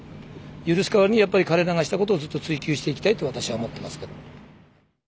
許す代わりにやっぱり彼らがしたことをずっと追及していきたいと私は思ってますけども。